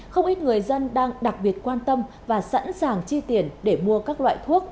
không ít người dân đang đặc biệt quan tâm và sẵn sàng chi tiền để mua các loại thuốc